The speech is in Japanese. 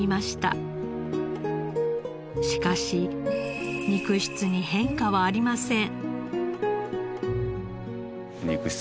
しかし肉質に変化はありません。